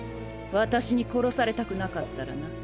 私に殺されたくなかったらな。